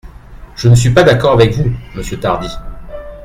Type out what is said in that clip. Je ne suis pas d’accord avec vous, monsieur Tardy.